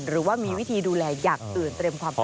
หรือว่ามีวิธีดูแลอย่างอื่นเตรียมความพร้อม